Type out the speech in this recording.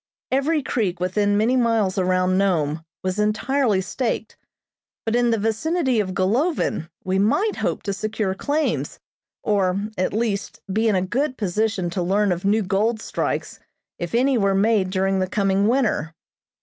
Every creek within many miles around Nome was entirely staked, but in the vicinity of Golovin we might hope to secure claims, or, at least, be in a good position to learn of new gold strikes if any were made during the coming winter.